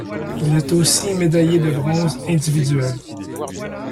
Il est aussi médaillé de bronze individuel.